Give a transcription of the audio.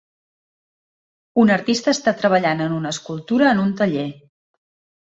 Un artista està treballant en una escultura en un taller.